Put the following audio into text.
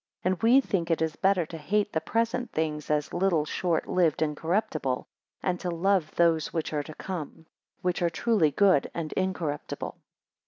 And we think it is better to hate the present things, as little, short lived, and corruptible; and to love those which are to come, which are truly good and incorruptible.